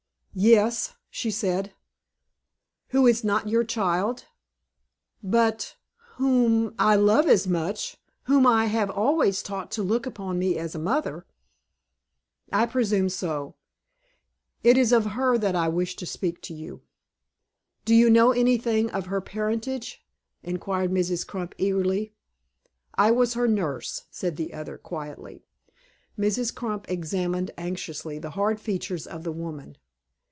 "Yes," she said. "Who is not your child." "But whom I love as such; whom I have always taught to look upon me as a mother." "I presume so. It is of her that I wish to speak to you." "Do you know anything of her parentage?" inquired Mrs. Crump, eagerly. "I was her nurse," said the other, quietly. Mrs. Crump examined, anxiously, the hard features of the woman.